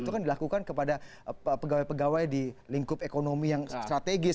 itu kan dilakukan kepada pegawai pegawai di lingkup ekonomi yang strategis